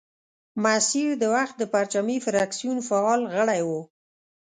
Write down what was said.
مسیر د وخت د پرچمي فرکسیون فعال غړی وو.